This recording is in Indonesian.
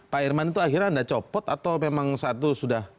pak irman itu akhirnya anda copot atau memang satu sudah